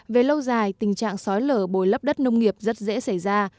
về lâu dài tình trạng sói lở bồi lấp đất nông nghiệp rất dễ xảy ra